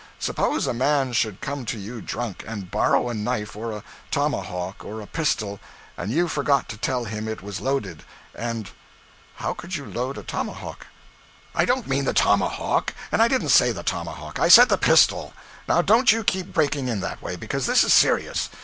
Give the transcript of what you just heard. Suppose a _man _should come to you drunk, and borrow a knife, or a tomahawk, or a pistol, and you forgot to tell him it was loaded, and ' 'How could you load a tomahawk?' 'I don't mean the tomahawk, and I didn't say the tomahawk; I said the pistol. Now don't you keep breaking in that way, because this is serious.